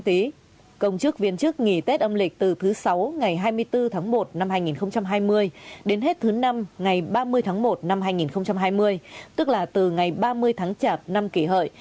tết thứ năm ngày ba mươi tháng một năm hai nghìn hai mươi tức là từ ngày ba mươi tháng chạp năm kỷ hợi